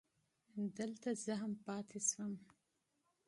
دلته زه هم پاتې شوم.